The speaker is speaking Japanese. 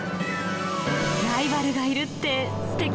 ライバルがいるって、すてき